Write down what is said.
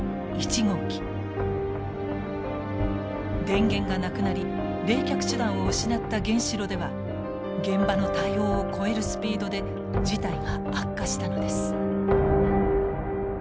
電源がなくなり冷却手段を失った原子炉では現場の対応を超えるスピードで事態が悪化したのです。